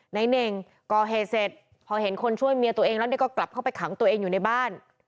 ในเน่งก่อเหตุเสร็จพอเห็นคนช่วยเมียตัวเองแล้วเนี่ยก็กลับเข้าไปขังตัวเองอยู่ในบ้าน